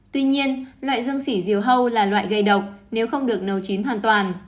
tuy nhiên loại dương sỉ diều hâu là loại gây độc nếu không được nấu chín hoàn toàn